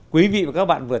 quý vị và các bạn vừa thấy